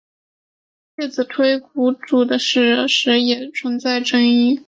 介子推割股的史实也存在争议。